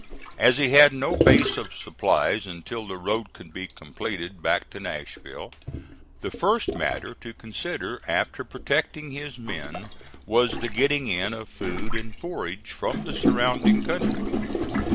As he had no base of supplies until the road could be completed back to Nashville, the first matter to consider after protecting his men was the getting in of food and forage from the surrounding country.